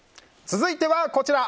続いてはこちら。